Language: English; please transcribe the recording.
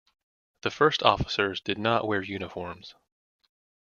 The first officers did not wear uniforms.